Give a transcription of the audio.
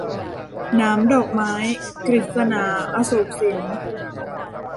หนามดอกไม้ - กฤษณา อโศกสิน